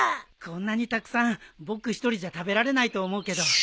こんなにたくさん僕一人じゃ食べられないと思うけど。